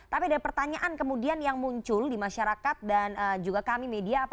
tapi ada pertanyaan kemudian yang muncul di masyarakat dan juga kami media